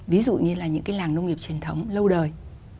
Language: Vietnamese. ví dụ như là những cái làng nông nghiệp truyền thống lâu đời